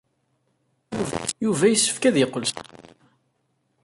Yuba yessefk ad yeqqel s axeddim.